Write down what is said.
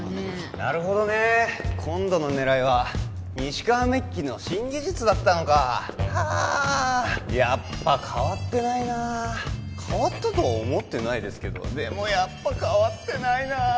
なるほどねえ今度の狙いはニシカワメッキの新技術だったのかはあやっぱ変わってないなあ変わったとは思ってないですけどでもやっぱ変わってないなあ